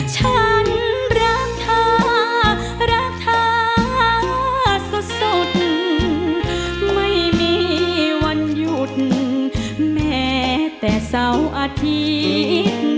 ฉันรักเธอรักเธอสุดไม่มีวันหยุดแม้แต่เสาร์อาทิตย์